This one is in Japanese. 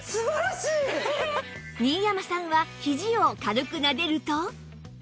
新山さんはひじを軽くなでると